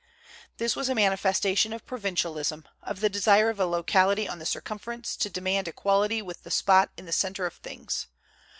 This was a manifestation of provincialism, of the desire of a locality on the circumference to demand equality with the spot in the center of things.